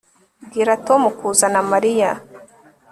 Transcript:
Bwira Tom kuzana Mariya